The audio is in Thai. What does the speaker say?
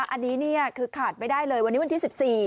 อันนี้คือขาดไม่ได้เลยวันนี้วันที่๑๔